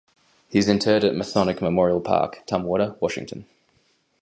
He is interred at Masonic Memorial Park, Tumwater, Washington.